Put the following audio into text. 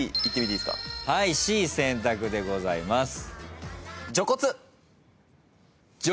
はいＣ選択でございます。